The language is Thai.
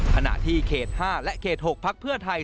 ขณะที่เขต๕และเขต๖พักเพื่อไทย